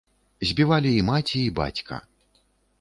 Забівалі і маці, і бацька.